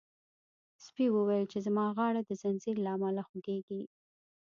سپي وویل چې زما غاړه د زنځیر له امله خوږیږي.